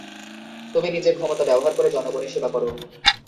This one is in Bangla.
তুমি নিজের ক্ষমতা ব্যবহার করে জনগণের সেবা করো।